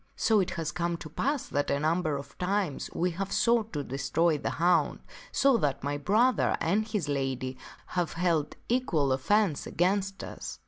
So it has come to pass that a number of times we have sought to destroy the hound, so that my brother and his lady have held equal offence against us.